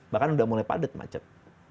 bahkan udah mulai padat macet